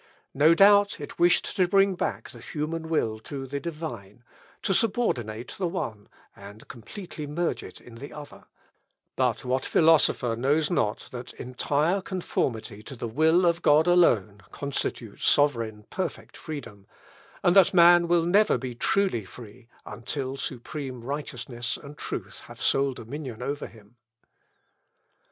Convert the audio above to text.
No doubt, it wished to bring back the human will to the Divine, to subordinate the one, and completely merge it in the other; but what philosopher knows not that entire conformity to the will of God alone constitutes sovereign, perfect freedom; and that man will never be truly free, until supreme righteousness and truth have sole dominion over him?